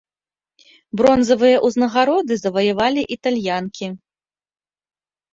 Бронзавыя ўзнагароды заваявалі італьянкі.